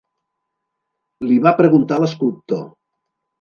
Li va preguntar l'esculptor.